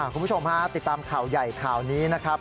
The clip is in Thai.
คุณผู้ชมฮะติดตามข่าวใหญ่ข่าวนี้นะครับ